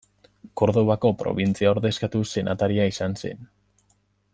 Kordobako probintzia ordezkatuz senataria izan zen.